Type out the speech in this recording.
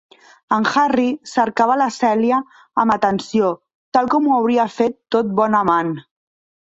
En Harry cercava la Celia amb atenció, tal com ho hauria fet tot bon amant.